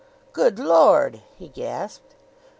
"Good Lord!" he gasped.